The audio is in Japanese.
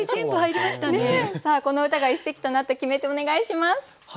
この歌が一席となった決め手お願いします。